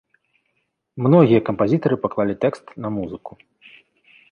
Многія кампазітары паклалі тэкст на музыку.